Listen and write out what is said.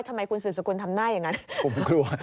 ทำไมคุณสืบสกุลทำหน้ายังไง